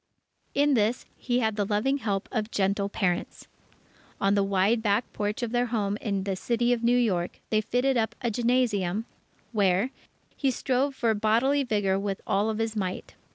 In this, he had the loving help of gentle parents. On the wide back porch of their home in the City of New York, they fitted up a gymnasium, where he strove for bodily vigour with all his might.